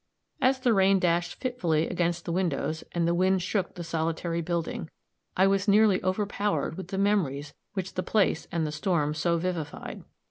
As the rain dashed fitfully against the windows, and the wind shook the solitary building, I was nearly overpowered with the memories which the place and the storm so vivified.